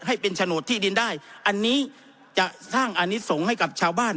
ให้เป็นโฉนดที่ดินได้อันนี้จะสร้างอันนี้ส่งให้กับชาวบ้าน